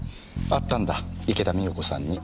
会ったんだ池田美代子さんに。